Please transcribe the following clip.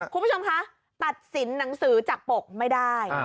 คุณผู้ชมคะตัดสินหนังสือจากปกไม่ได้